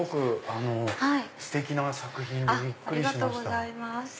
ありがとうございます。